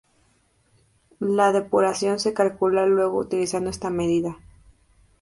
La depuración se calcula luego utilizando esta medida.